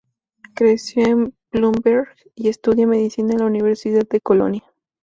Creció en Blomberg, y estudia Medicina en la Universidad de Colonia.